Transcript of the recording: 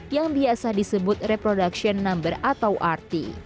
yang biasa disebut reproduction number atau rt